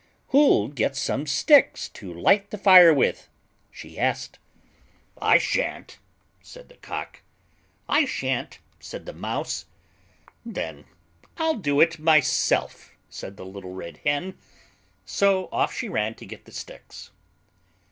"Who'll get some sticks to light the fire with?" she asked. "I shan't," said the Cock. "I shan't," said the Mouse. "Then I'll do it myself," said the little Red Hen. So off she ran to get the sticks.